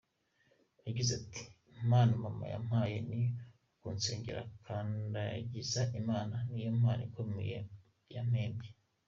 Yagize ati “Impano mama yampaye ni ukunsengera akandagiza Imana, niyo mpano ikomeye yampembye.